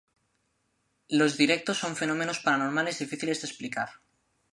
los directos son fenómenos paranormales difíciles de explicar.